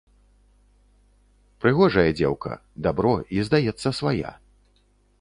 Прыгожая дзеўка, дабро, і, здаецца, свая.